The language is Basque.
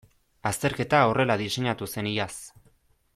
Azterketa horrela diseinatu zen iaz.